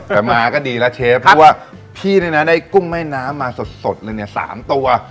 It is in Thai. แต่มาก็ดีแล้วเชฟเพราะว่าพี่เนี่ยนะได้กุ้งแม่น้ำมาสดเลยเนี่ย๓ตัว